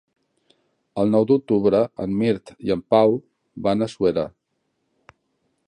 El nou d'octubre en Mirt i en Pau van a Suera.